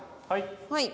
はい。